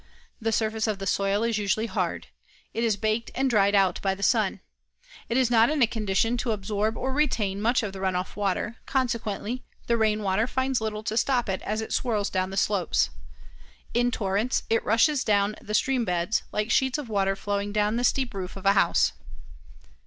The surface of the soil is usually hard. It is baked and dried out by the sun. It is not in condition to absorb or retain much of the run off water, consequently, the rain water finds little to stop it as it swirls down the slopes. In torrents it rushes down the stream beds, like sheets of water flowing down the steep roof of a house.